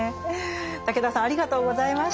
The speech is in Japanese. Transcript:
武田さんありがとうございました。